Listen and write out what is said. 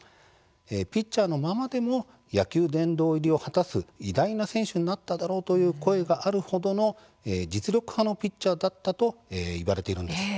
ピッチャーのままでも野球殿堂入りを果たす偉大な選手になっただろうという声があるほどの実力派のピッチャーだったといわれているんです。